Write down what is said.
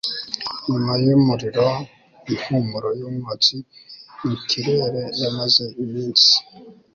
nyuma yumuriro, impumuro yumwotsi mwikirere yamaze iminsi